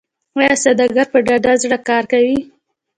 آیا سوداګر په ډاډه زړه کار کوي؟